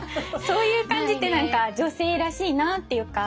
そういう感じってなんか女性らしいなっていうか。